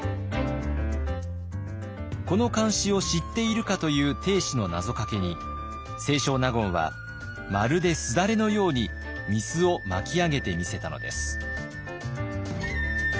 この漢詩を知っているかという定子の謎かけに清少納言はまるですだれのように御簾を巻き上げてみせたのです。